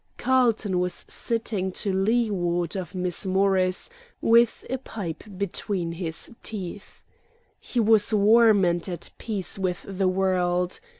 Carlton was sitting to leeward of Miss Morris, with a pipe between his teeth. He was warm, and at peace with the world.